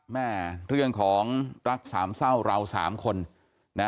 เรื่องของรักสามเศร้าเราสามคนนะ